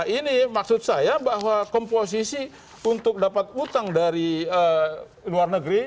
ini maksud saya bahwa komposisi untuk dapat utang dari luar negeri